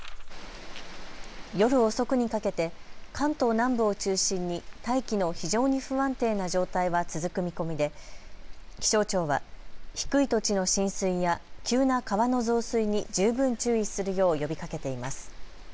夜遅くにかけて関東南部を中心に大気の非常に不安定な状態は続く見込みで気象庁は低い土地の浸水や急な川の増水に十分注意するよう呼びかけています。